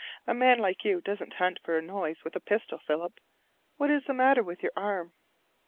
A man like you doesn't hunt for a noise with a pistol, Philip. What is the matter with your arm?"